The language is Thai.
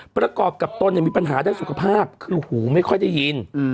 ประกอบกับตนมีปัญหาด้านสุขภาพคือหูไม่ค่อยได้ยิน